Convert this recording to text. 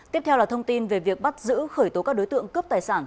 tiếp theo là thông tin về việc bắt giữ khởi tố các đối tượng cướp tài sản